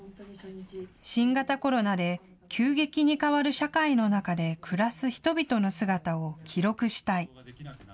新型コロナで急激に変わる社会の中で暮らす人々の姿を記録したい。